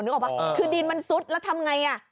ออกป่ะคือดินมันซุดแล้วทำไงอ่ะ